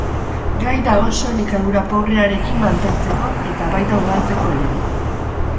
Gai da oso elikadura pobrearekin mantentzeko eta baita ugaltzeko ere.